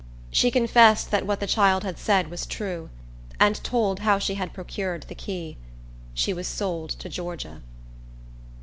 She confessed that what the child had said was true, and told how she had procured the key. She was sold to Georgia.